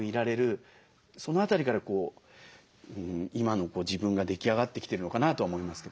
その辺りから今の自分が出来上がってきてるのかなとは思いますけども。